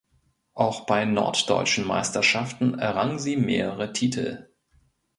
Auch bei norddeutschen Meisterschaften errang sie mehrere Titel.